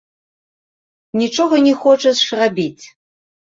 Нічога не хочаш рабіць.